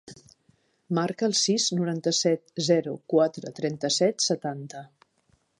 Marca el sis, noranta-set, zero, quatre, trenta-set, setanta.